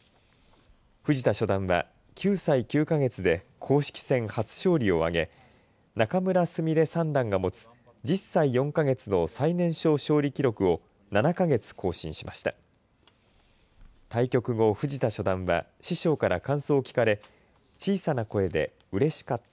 藤田初段は９歳９か月で公式戦初勝利を挙げ仲邑菫三段が持つ１０歳４か月の最年少勝利記録を７か月更新しました。